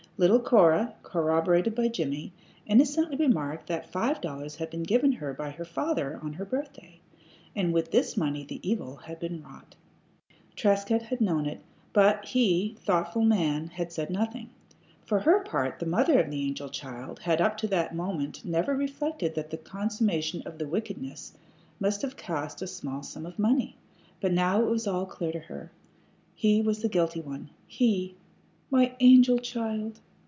Little Cora, corroborated by Jimmie, innocently remarked that five dollars had been given her by her father on her birthday, and with this money the evil had been wrought. Trescott had known it, but he thoughtful man had said nothing. For her part, the mother of the angel child had up to that moment never reflected that the consummation of the wickedness must have cost a small sum of money. But now it was all clear to her. He was the guilty one he! "My angel child!"